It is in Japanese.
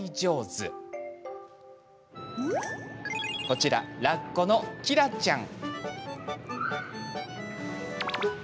こちら、ラッコのキラちゃん。